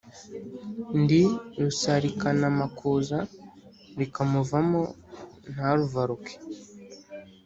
Ndi Rusalikanamakuza rikamuvamo ntaruvaruke.